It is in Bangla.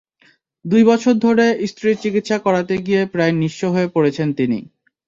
দুই বছর ধরে স্ত্রীর চিকিৎসা করাতে গিয়ে প্রায় নিঃস্ব হয়ে পড়েছেন তিনি।